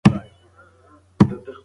د ملکیار شعر ژبنۍ او هنري ځانګړنې لري.